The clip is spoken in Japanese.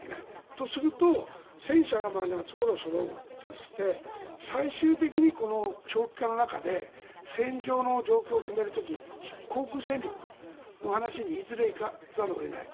とすると、戦車が夏ごろ、そろうとして最終的に長期化の中で戦場の状況を決める時航空戦力の話にいずれいかざるを得ない。